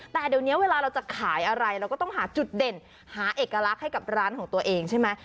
แต่เดี๋ยวนี้เวลาเราจะขายอะไรเราก็ต้องหาจุดเด่นหาเอกลักษณ์ให้กับร้านของตัวเองใช่ไหม